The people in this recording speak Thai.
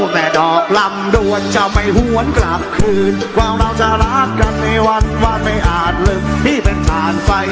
ที่น้ำใกล้ที่ร้องกับไว้คงมีน้ำตา